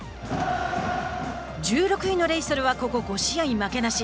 １６位のレイソルはここ５試合負けなし。